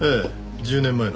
１０年前の。